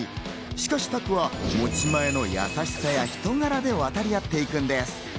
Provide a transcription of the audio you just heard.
しかし、拓は持ち前の優しさや人柄で渡り合っていくんです。